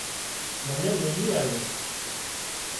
منين ميلي آلو